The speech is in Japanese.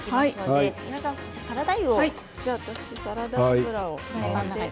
私はサラダ油を。